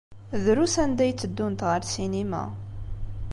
Drus anda ay tteddunt ɣer ssinima.